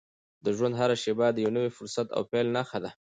د ژوند هره شېبه د یو نوي فرصت او پیل نښه ده.